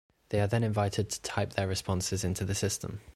They are then invited to type their responses into the system.